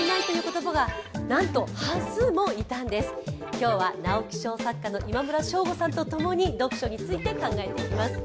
今日は直木賞作家の今村翔吾さんとともに読書について考えていきます。